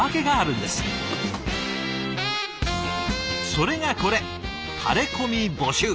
それがこれタレコミ募集！